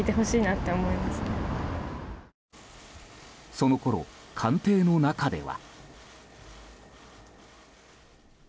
そのころ、官邸の中では。